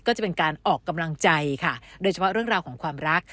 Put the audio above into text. จะเป็นการออกกำลังกายค่ะโดยเฉพาะเรื่องราวของความรัก